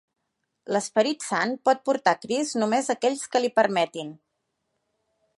L'Esperit Sant pot portar a Crist només a aquells que l'hi permetin.